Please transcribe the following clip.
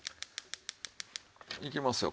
いきますよ。